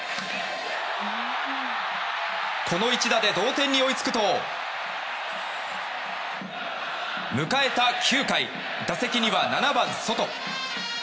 この一打で同点に追いつくと迎えた９回打席には７番、ソト。